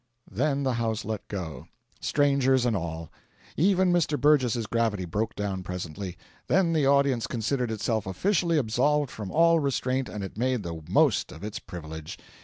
Then the house let go, strangers and all. Even Mr. Burgess's gravity broke down presently, then the audience considered itself officially absolved from all restraint, and it made the most of its privilege.